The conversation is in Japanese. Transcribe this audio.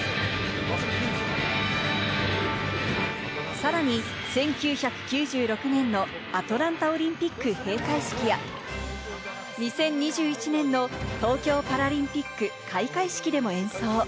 さらに１９９６年のアトランタオリンピック閉会式や２０２１年の東京パラリンピック開会式でも演奏。